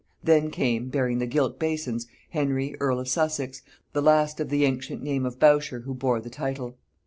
Then came, bearing the gilt basins, Henry earl of Essex, the last of the ancient name of Bourchier who bore the title.